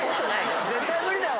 絶対無理だわ。